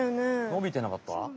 伸びてなかった？